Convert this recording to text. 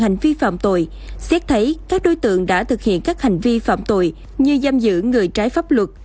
hành vi phạm tội xét thấy các đối tượng đã thực hiện các hành vi phạm tội như giam giữ người trái pháp luật